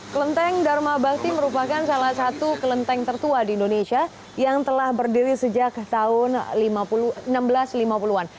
kelenteng dharma bakti merupakan salah satu kelenteng tertua di indonesia yang telah berdiri sejak tahun seribu enam ratus lima puluh an